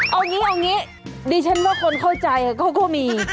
เอาอย่างนี้ดิฉันว่าคนเข้าใจก็มี